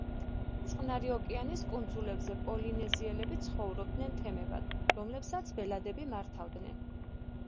წყნარი ოკეანის კუნძულებზე პოლინეზიელები ცხოვრობდნენ თემებად, რომლებსაც ბელადები მართავდნენ.